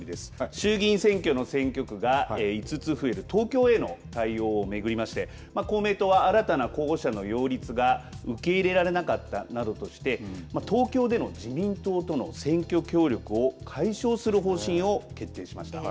衆議院選挙の選挙区が５つ増える東京への対応を巡りまして公明党は新たな候補者の擁立が受け入れられなかったなどとして東京での自民党との選挙協力を解消する方針を決定しました。